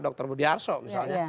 dr budi arso misalnya